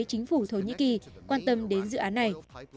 chính phủ thổ nhĩ kỳ quan tâm đến dự án này